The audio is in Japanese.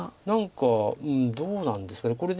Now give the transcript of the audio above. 何かどうなんですかね。